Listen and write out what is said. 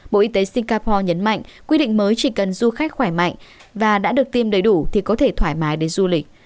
bộ y tế singapore nhấn mạnh quy định mới chỉ cần du khách khỏe mạnh và đã được tiêm đầy đủ thì có thể thoải mái đến du lịch